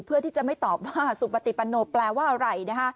เพื่อที่จะไม่ตอบว่าสุปติปันโนแปลว่าอะไร